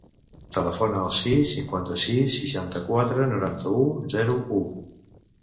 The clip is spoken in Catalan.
Telefona al sis, cinquanta-sis, seixanta-quatre, noranta-u, zero, u.